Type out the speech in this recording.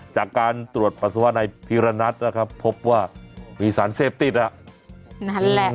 จากการตรวจประสบภาษณ์ในพิรณัทฯนะครับพบว่ามีสารเสพติดนั่นแหละ